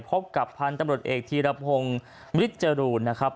พบกับพันธ์ตำรวจเอกทีระพงมิติจรูนนะครับ